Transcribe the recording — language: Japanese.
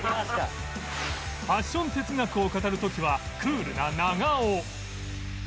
ファッション哲学を語る時はクールな長尾